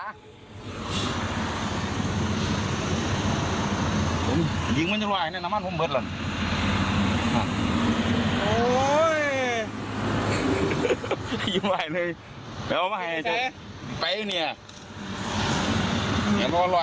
ขอบคุณครับผม